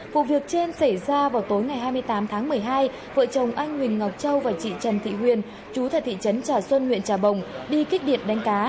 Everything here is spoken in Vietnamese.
vụ việc trên xảy ra vào tối ngày hai mươi tám tháng một mươi hai vợ chồng anh huỳnh ngọc châu và chị trần thị huyền chú tại thị trấn trà xuân huyện trà bồng đi kích điện đánh cá